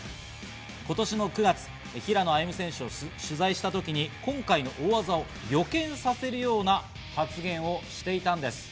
今年の９月、平野歩夢選手を取材した時に今回の大技を予見させるような発言をしていたんです。